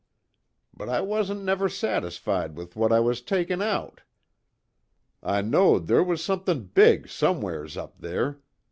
But I wasn't never satisfied with what I was takin' out. I know'd there was somethin' big somewheres up there.